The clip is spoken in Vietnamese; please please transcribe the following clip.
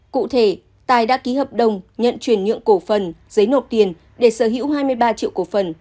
cụ thể tài đã ký hợp đồng nhận chuyển nhượng cổ phần giấy nộp tiền để sở hữu hai mươi ba triệu cổ phần